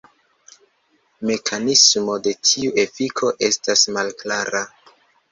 Mekanismo de tiu efiko estas malklara.